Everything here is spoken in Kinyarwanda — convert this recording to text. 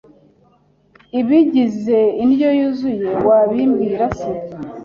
Ibigize indyo yuzuye wabimbwira se